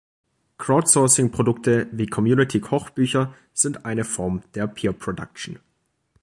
Crowdsourcing-Produkte wie Community-Kochbücher sind eine Form der Peer-Produktion.